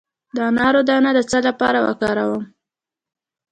د انار دانه د څه لپاره وکاروم؟